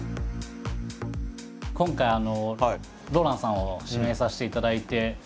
今回ＲＯＬＡＮＤさんを指名させていただいて。